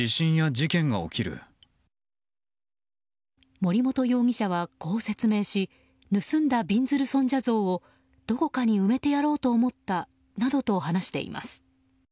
森本容疑者は、こう説明し盗んだびんずる尊者像をどこかに埋めてやろうと思ったなどと話しています。